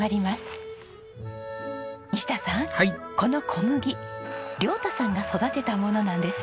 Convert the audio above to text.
この小麦亮太さんが育てたものなんですよ。